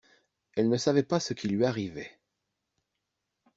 Elle ne savait pas ce qui lui arrivait.